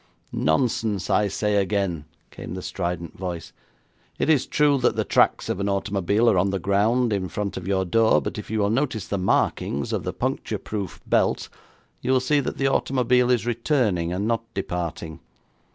'Nonsense, I say again,' came the strident voice. 'It is true that the tracks of an automobile are on the ground in front of your door, but if you will notice the markings of the puncture proof belt, you will see that the automobile is returning and not departing.